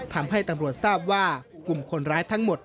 ทำให้ตำรวจทราบว่ากลุ่มคนร้ายทั้งหมด